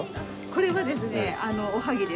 これはですねおはぎです。